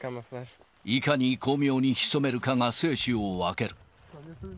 いかに巧妙に潜めるかが生死を分ける。